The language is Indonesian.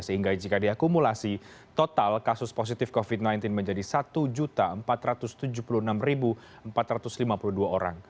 sehingga jika diakumulasi total kasus positif covid sembilan belas menjadi satu empat ratus tujuh puluh enam empat ratus lima puluh dua orang